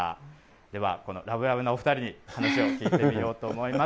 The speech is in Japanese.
ではこのラブラブなお２人に、話を聞いてみようと思います。